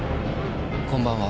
こんばんは。